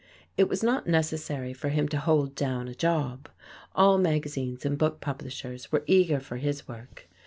It was not necessary for him to "hold down a job." All magazines and book publishers were eager for his work.